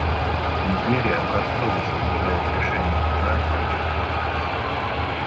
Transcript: Нигерия образцово соблюдает решение Суда по делу Бакасси.